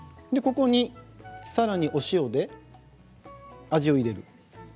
ここにさらにお塩で味を入れる。